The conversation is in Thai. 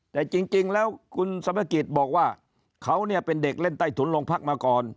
แต่จริงแล้วคุณสมภกิจบอกว่าเขาเนี่ยเป็นเด็กเล่นใต้ถุนโรงพักมาก่อน